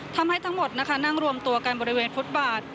ทำให้ทั้งหมดนั่งรวมตัวกันบริเวณพุทธบาท